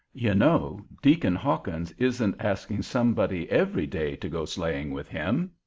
You know Deacon Hawkins isn't asking somebody every day to go sleighing with him.